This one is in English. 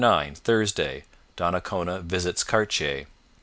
9 Thursday Donnacona visits Cartier.